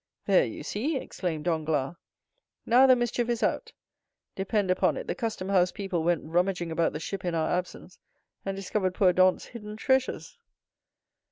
"There, you see," exclaimed Danglars. "Now the mischief is out; depend upon it the custom house people went rummaging about the ship in our absence, and discovered poor Dantès' hidden treasures."